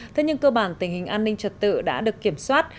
thế nhưng cơ bản tình hình an ninh trật tự đã được kiểm soát